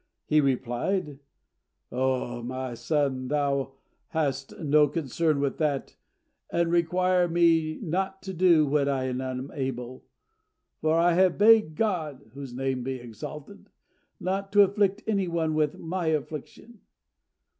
He replied, "O my son, thou hast no concern with that, and require me not to do what I am unable; for I have begged God (whose name be exalted!) not to afflict any one with my affliction.